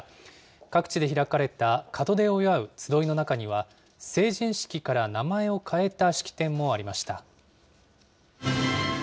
各地で開かれた、門出を祝う集いの中には、成人式から名前を変えた式典もありました。